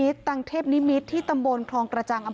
เป็นพระรูปนี้เหมือนเคี้ยวเหมือนกำลังทำปากขมิบท่องกระถาอะไรสักอย่าง